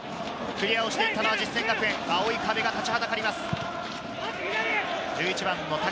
クリアをしていったのは実践学園、青い壁が立ちはだかります。